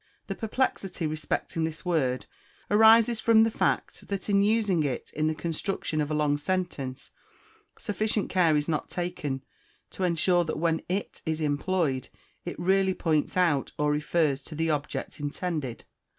The perplexity respecting this word arises from the fact that in using it in the construction of a long sentence, sufficient care is not taken to ensure that when it is employed it really points out or refers to the object intended.